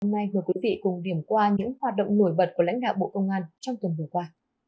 hôm nay mời quý vị cùng điểm qua những hoạt động nổi bật của lãnh đạo bộ công an trong tuần vừa qua